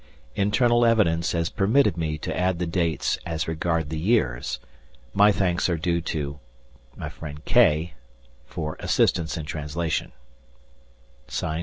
_Internal evidence has permitted me to add the dates as regards the years. My thanks are due to K. for assistance in translation_. ETIENNE.